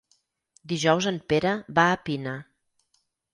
Dijous en Pere va a Pina.